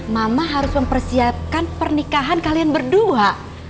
mama harus mempersiapkan pernikahan kalian berdua